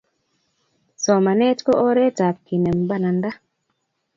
Somanet ko oret ab kinem pananda